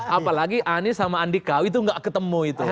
apalagi anies sama andi kau itu gak ketemu itu